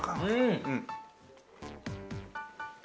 うん！